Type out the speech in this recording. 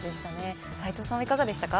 斎藤さんはいかがでしたか。